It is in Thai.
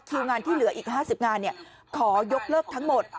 งานที่เหลืออีก๕๐งานขอยกเลิกทั้งหมด